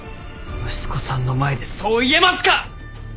息子さんの前でそう言えますか！